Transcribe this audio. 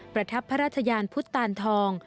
ประทับพระราชยานพุทธตานทอง